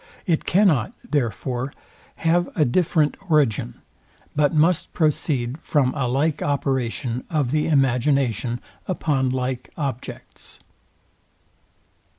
It cannot, therefore, have a different origin, but must proceed from a like operation of the imagination upon like objects.